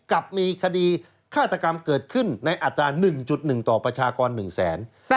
กับมีคดีฆาตกรรมเกิดขึ้นในอัตรา๑๑ต่อประชากร๑แสน